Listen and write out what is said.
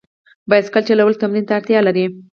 بایسکل چلول تمرین ته اړتیا لري.